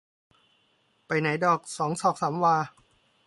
ไปไหนดอก สองศอกสามวา